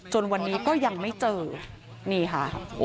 จนวันนี้ก็ยังไม่เจอนี่ค่ะ